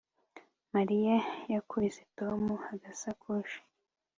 Mariya yakubise Tom agasakoshi